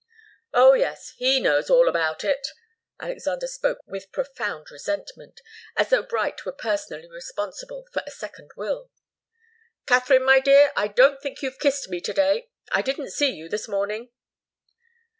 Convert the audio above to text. "Oh, yes; he knows all about it." Alexander spoke with profound resentment, as though Bright were personally responsible for the second will. "Katharine, my dear, I don't think you've kissed me to day. I didn't see you this morning."